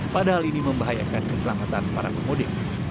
padahal ini membahayakan keselamatan para pemudik